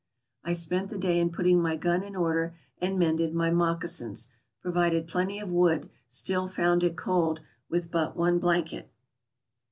I spent the day in putting my gun in order, and mended my moccasins. Provided plenty of wood, still found it cold, with but one blanket.